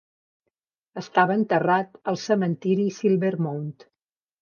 Estava enterrat al cementiri Silver Mount.